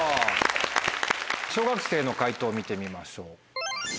小学生の解答を見てみましょう。